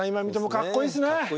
かっこいいですね